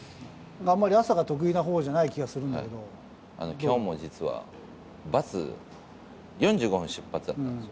あまり朝が得意なほうじゃなきょうも実は、バス、４５分出発だったんですよ。